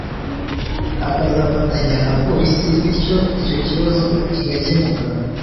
akazafatanya na Polisi, bityo icyo kibazo kigakemuka